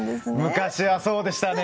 昔はそうでしたね。